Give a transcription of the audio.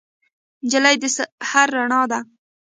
نجلۍ د سحر رڼا ده.